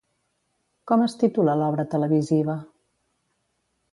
Com es titula l'obra televisiva?